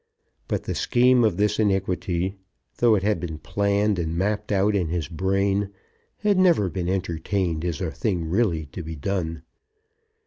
But the scheme of this iniquity, though it had been planned and mapped out in his brain, had never been entertained as a thing really to be done.